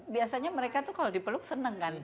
biasanya mereka tuh kalau dipeluk senang kan